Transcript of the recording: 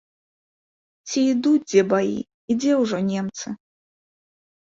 Ці ідуць дзе баі і дзе ўжо немцы?